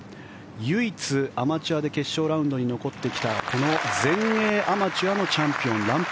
唯一アマチュアで決勝ラウンドに残ってきたこの全英アマチュアのチャンピオンランプ